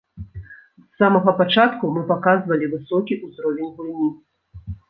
З самага пачатку мы паказвалі высокі ўзровень гульні.